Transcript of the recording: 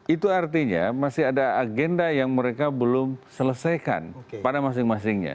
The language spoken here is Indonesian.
itu artinya masih ada agenda yang mereka belum selesaikan pada masing masingnya